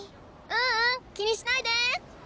ううん気にしないで！